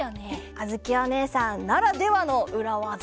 あづきおねえさんならではのうらわざ。